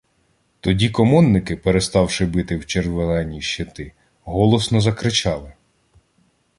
Тоді комонники, переставши бити в червлені щити, голосно закричали: